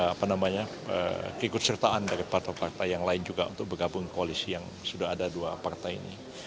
apa namanya keikutsertaan dari partai partai yang lain juga untuk bergabung koalisi yang sudah ada dua partai ini